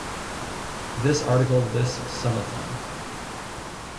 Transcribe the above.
This article lists some of them.